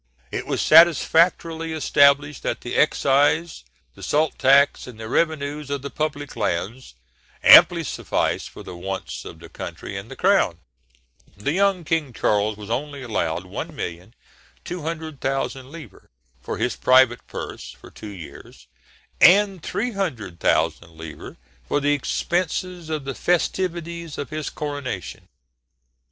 It was satisfactorily established that the excise, the salt tax, and the revenues of the public lands amply sufficed for the wants of the country and the crown. The young King Charles was only allowed 1,200,000 livres for his private purse for two years, and 300,000 livres for the expenses of the festivities of his coronation.